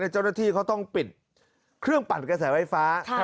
เจ้าหน้าที่เขาต้องปิดเครื่องปั่นกระแสไฟฟ้า